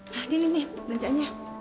nah ini nih rencanya